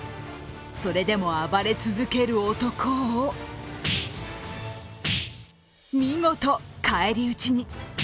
それでも暴れ続ける男を見事、返り討ちに。